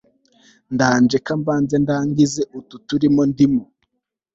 ndaje kambanze ndangize utu turimo ndimo